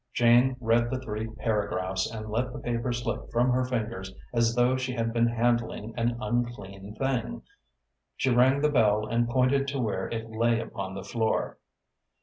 Jane read the three paragraphs and let the paper slip from her fingers as though she had been handling an unclean thing. She rang the bell and pointed to where it lay upon the floor.